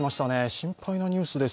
心配なニュースです。